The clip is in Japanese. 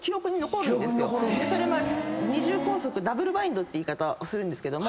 それは二重拘束ダブルバインドって言い方をするんですけども。